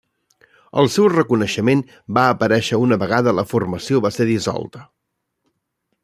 El seu reconeixement va aparèixer una vegada la formació va ser dissolta.